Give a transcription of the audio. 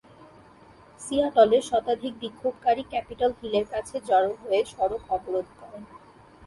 সিয়াটলে শতাধিক বিক্ষোভকারী ক্যাপিটল হিলের কাছে জড়ো হয়ে সড়ক অবরোধ করেন।